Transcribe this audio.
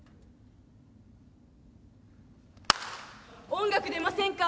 音楽出ませんか？